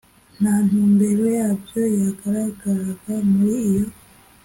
nta ntumbero yabyo yagaragaraga Muri iyo